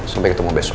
sampai ketemu besok